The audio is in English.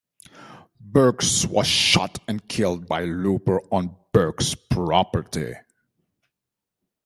Burks was shot and killed by Looper on Burks' property.